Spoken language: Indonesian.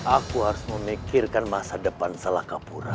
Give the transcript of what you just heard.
aku harus memikirkan masa depan salah kapura